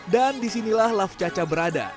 dan disinilah laf caca berada